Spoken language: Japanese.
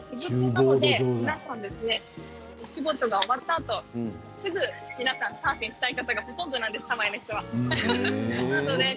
皆さんお仕事が終わったあとすぐサーフィンしたい方がほとんどなんです、ハワイの人は。